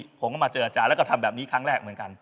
ผมก็มาเจออาจารย์แล้วก็ทำแบบนี้ครั้งแรกเหมือนกัน